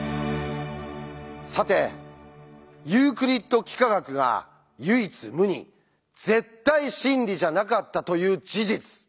さてユークリッド幾何学が唯一無二絶対真理じゃなかったという事実。